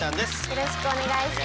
よろしくお願いします。